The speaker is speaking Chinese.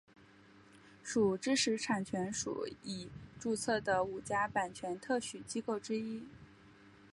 属知识产权署已注册的五家版权特许机构之一。